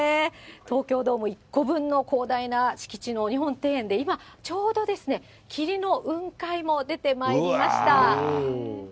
東京ドーム１個分の広大な敷地の日本庭園で、今、ちょうど霧の雲海も出てまいりました。